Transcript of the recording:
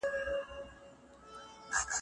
هیوادونه د سولي په خبرو کي څه غواړي؟